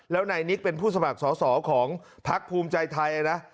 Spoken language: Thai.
แล้วนายนิกเป็นผู้สมัครสอสอของพักภูมิใจไทยนะ